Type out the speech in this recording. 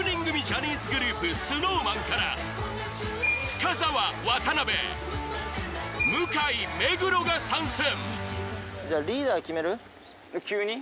ジャニーズグループＳｎｏｗＭａｎから深澤渡辺向井目黒が参戦急に？